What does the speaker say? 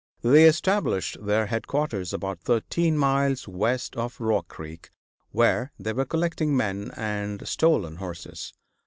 They established their headquarters about thirteen miles west of Rock Creek, where they were collecting men and stolen horses.